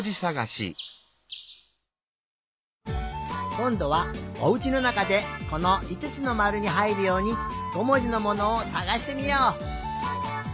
こんどはおうちのなかでこのいつつのまるにはいるように５もじのものをさがしてみよう！